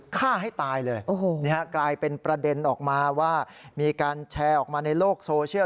กลายเป็นประเด็นออกมาว่ามีการแชร์ออกมาในโลกโซเชียล